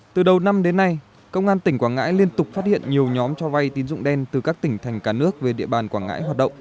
từ đầu năm đến nay công an tỉnh quảng ngãi liên tục phát hiện nhiều nhóm cho vay tín dụng đen từ các tỉnh thành cả nước về địa bàn quảng ngãi hoạt động